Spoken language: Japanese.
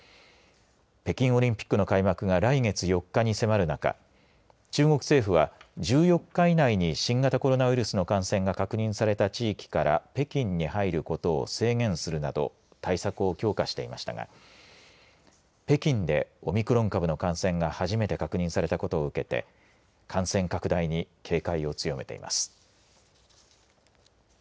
北京オリンピックの開幕が来月４日に迫る中中国政府は１４日以内に新型コロナウイルスの感染が確認された地域から北京に入ることを制限するなど対策を強化していましたが北京でオミクロン株の感染が初めて確認されたことを受けて感染拡大に警戒を強めています。